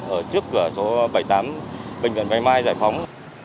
ở trước cửa số bảy mươi tám bệnh viện bạch mai giải phóng